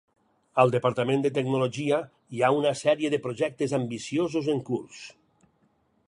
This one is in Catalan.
Al Departament de Tecnologia hi ha una sèrie de projectes ambiciosos en curs.